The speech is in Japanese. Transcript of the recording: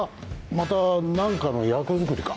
また何かの役作りか？